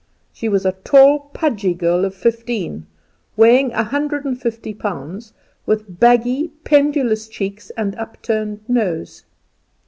She was a tall, pudgy girl of fifteen, weighing a hundred and fifty pounds, with baggy pendulous cheeks and up turned nose.